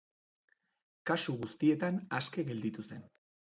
Kasu guztietan aske gelditu zen.